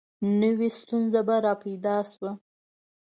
نوي ستونزه به را پیدا شوه.